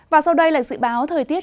và sau đây là dự báo thời tiết